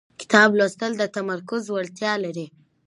کتاب لوستل د تمرکز وړتیا زیاتوي